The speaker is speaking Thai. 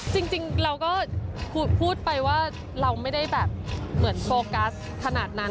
จริงเราก็พูดไปว่าเราไม่ได้แบบเหมือนโฟกัสขนาดนั้น